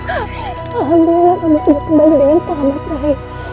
alhamdulillah kamu kembali dengan selamat rai